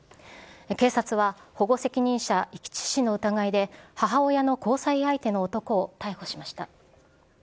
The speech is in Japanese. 警察は保護責任者遺棄致死の疑いで、母親の交際相手の男を逮捕しました。